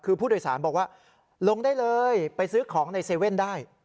คือผู้โดยสารบอกว่าลงได้เลยไปซื้อของใน๗๑๑ได้